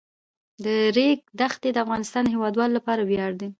د ریګ دښتې د افغانستان د هیوادوالو لپاره ویاړ دی.